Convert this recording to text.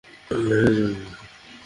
হ্যাঁ, জ্বলবে।